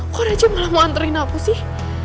kok raja malah mau anterin aku sih